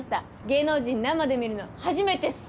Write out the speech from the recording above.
芸能人生で見るの初めてっす。